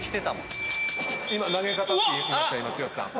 今「投げ方」って言いました剛さん。